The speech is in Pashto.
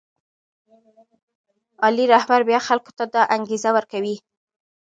عالي رهبر بیا خلکو ته دا انګېزه ورکوي.